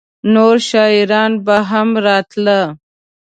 نور شاعران به هم راتله؟